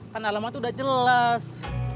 kan alamat udah jelas